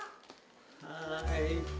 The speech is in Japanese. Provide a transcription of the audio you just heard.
はい。